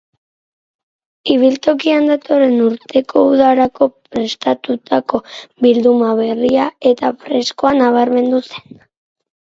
Ibiltokian datorren urteko udarako prestatutako bilduma berria eta freskoa nabarmendu zen.